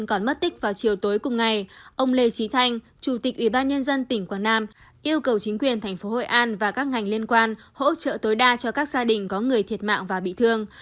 ông lê trí thanh chủ tịch ủy ban nhân dân tỉnh quảng nam yêu cầu chính quyền thành phố hội an và các ngành liên quan hỗ trợ tối đa cho các gia đình có người thiệt mạng và bị thương